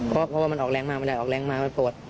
เพราะว่ามันออกแรงมากไม่ได้ออกแรงมากมันปวด